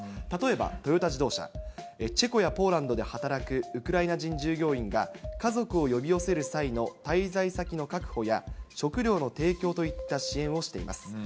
例えばトヨタ自動車、チェコやポーランドで働くウクライナ人従業員が家族を呼び寄せる際の滞在先の確保や、食料の提供といった支援をしています。